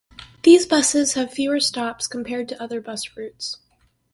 These buses have fewer stops compared to other bus routes.